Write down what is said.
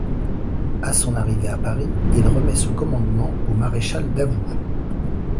À son arrivée à Paris, il remet ce commandement au maréchal Davout.